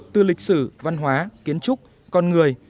từ lịch sử văn hóa kiến trúc con người